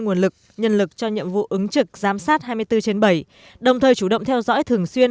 nguồn lực nhân lực cho nhiệm vụ ứng trực giám sát hai mươi bốn trên bảy đồng thời chủ động theo dõi thường xuyên